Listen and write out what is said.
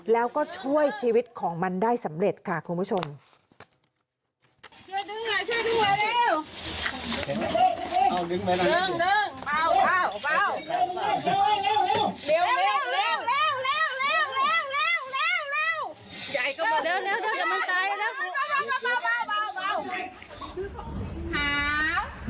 แล้วก็ช่วยชีวิตของมันได้สำเร็จค่ะคุณผู้ชม